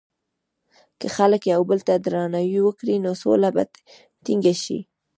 که خلک یو بل ته درناوی وکړي، نو سوله به ټینګه شي.